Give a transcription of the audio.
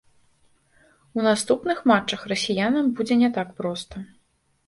У наступных матчах расіянам будзе не так проста.